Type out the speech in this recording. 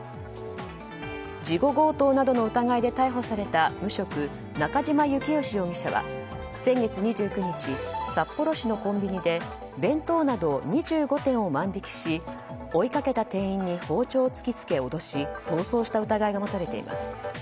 事後強盗などの疑いで逮捕された無職中嶋之宜容疑者は先月２９日札幌市のコンビニで弁当など２５点を万引きし追いかけた店員に包丁を突き付け脅し逃走した疑いが持たれています。